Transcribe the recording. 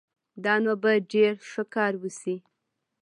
دا نو به ډېر ښه کار وشي